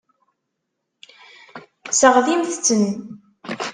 Seɣtimt-ten.